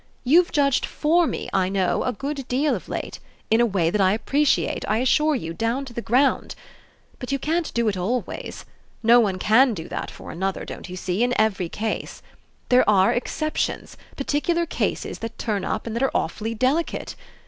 You've judged FOR me, I know, a good deal, of late, in a way that I appreciate, I assure you, down to the ground. But you can't do it always; no one can do that for another, don't you see, in every case. There are exceptions, particular cases that turn up and that are awfully delicate.